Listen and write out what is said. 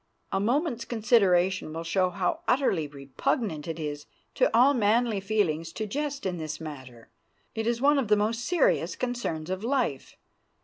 A moment's consideration will show how utterly repugnant it is to all manly feelings to jest in this matter. It is one of the most serious concerns of life.